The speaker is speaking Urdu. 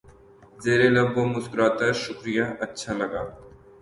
زیر لب وہ مسکراتا شکریہ اچھا لگا